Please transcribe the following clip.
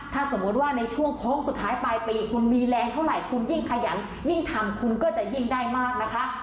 ถ้าสมมุติว่าในช่วงโค้งสุดท้ายปลายปีคุณมีแรงเท่าไหร่คุณยิ่งขยันยิ่งทำคุณก็จะยิ่งได้มากนะคะ